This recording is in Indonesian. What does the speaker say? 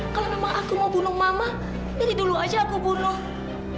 kalau memang aku mau bunuh mama dari dulu aja aku bunuh